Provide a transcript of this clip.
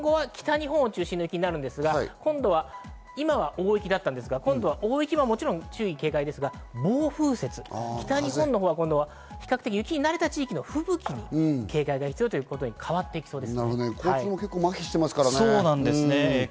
北海道は今後は北日本を中心の雪になるんですが、今度は今、大雪だったんですが今度は大雪はもちろん注意・警戒ですが暴風雪、北日本は今度は比較的、雪に慣れたところの吹雪に警戒が必要ということに変わってきそうです。